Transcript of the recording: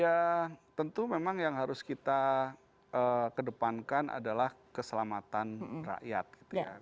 ya tentu memang yang harus kita kedepankan adalah keselamatan rakyat gitu ya